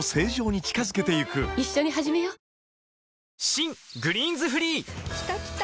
新「グリーンズフリー」きたきた！